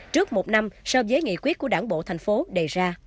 trước một năm sơ giới nghị quyết của đảng bộ thành phố đề ra